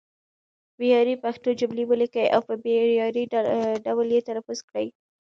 معیاري پښتو جملې ولیکئ او په معیاري ډول یې تلفظ کړئ.